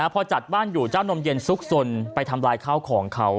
พอจัดบ้านอยู่เจ้านมเย็นซุกสนไปทำลายข้าวของเขา